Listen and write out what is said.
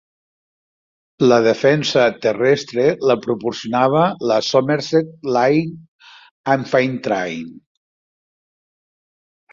La defensa terrestre la proporcionava la Somerset Light Infantry.